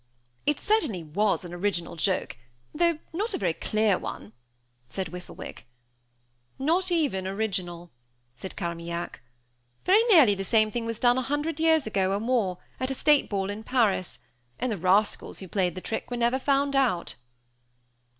"It certainly was an original joke, though not a very clear one," said Whistlewick. "Not even original," said Carmaignac. "Very nearly the same thing was done, a hundred years ago or more, at a state ball in Paris; and the rascals who played the trick were never found out."